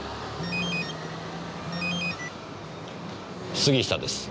杉下です。